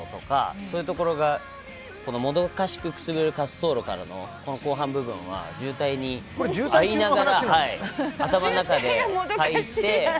そういうところがもどかしく燻る滑走路からの後半部分は渋滞にあいながら頭の中で書いて。